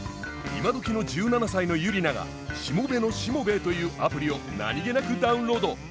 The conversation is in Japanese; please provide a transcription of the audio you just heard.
今どきの１７歳のユリナが「しもべのしもべえ」というアプリを何気なくダウンロード。